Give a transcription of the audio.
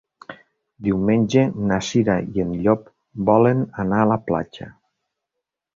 Diumenge na Cira i en Llop volen anar a la platja.